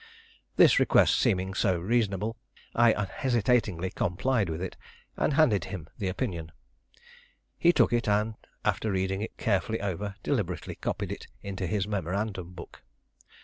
This request seeming so reasonable, I unhesitatingly complied with it, and handed him the opinion. He took it, and, after reading it carefully over, deliberately copied it into his memorandum book.